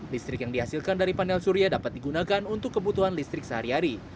listrik yang dihasilkan dari panel surya dapat digunakan untuk kebutuhan listrik sehari hari